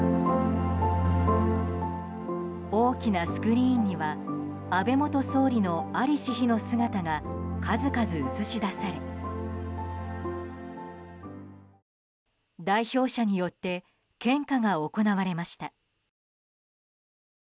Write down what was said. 大きなスクリーンには安倍元総理の在りし日の姿が数々映し出され代表者によって献花が行われました。